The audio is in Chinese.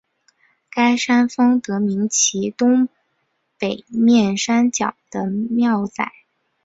该山峰得名自其东北面山脚的庙仔。